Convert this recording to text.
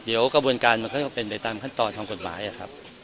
ก็เดี๋ยวกระบวนการมันก็ก็เป็นในขั้นตอนทางกฎหมายนะครับ